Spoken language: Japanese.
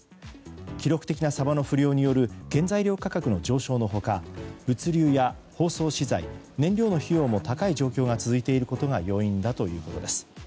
記録的なサバの不漁による原材料価格の上昇の他物流や包装資材、燃料の費用も高い状況が続いていることが要因だということです。